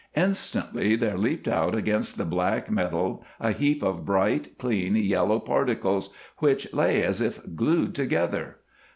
Instantly there leaped out against the black metal a heap of bright, clean, yellow particles which lay as if glued together.